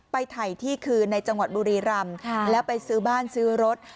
ไปถ่ายที่คืนในจังหวัดบุรีรำแล้วไปซื้อบ้านซื้อรถ